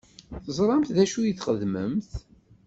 Teẓṛamt d acu i txeddmemt?